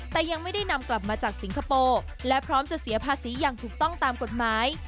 แต่ยังไม่ได้นำกลับมาจากสิงคโปร์และพร้อมจะเสียภาษีอย่างถูกต้องตามกฎหมาย